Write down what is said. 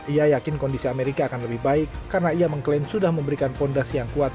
ia yakin kondisi amerika akan lebih baik karena ia mengklaim sudah memberikan fondasi yang kuat